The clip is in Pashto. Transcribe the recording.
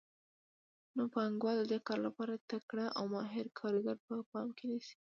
نو پانګوال د دې کار لپاره تکړه او ماهر کارګر په پام کې نیسي